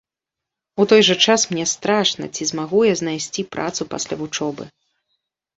У той жа час мне страшна, ці змагу я знайсці працу пасля вучобы.